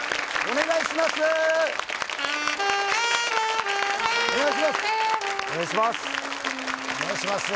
お願いします